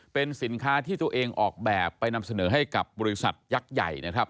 เป็นสินค้าที่ตัวเองออกแบบไปนำเสนอให้กับบริษัทยักษ์ใหญ่นะครับ